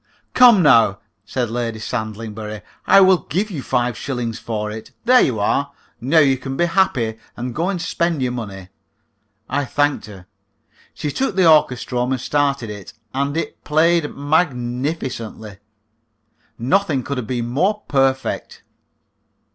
"Come, now," said Lady Sandlingbury, "I will give you five shillings for it. There you are! Now you can be happy, and go and spend your money." I thanked her. She took the orchestrome and started it, and it played magnificently. Nothing could have been more perfect.